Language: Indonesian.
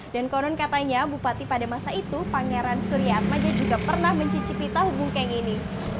konon katanya bupati pada masa itu pangeran surya atmaja juga pernah mencicipi tahu bungkeng ini